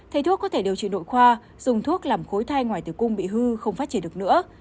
thầy thuốc có thể điều trị nội khoa dùng thuốc làm khối thai ngoài tử cung bị hư không phát triển được nữa